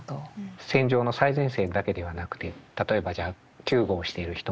戦場の最前線だけではなくて例えばじゃあ救護をしている人もですね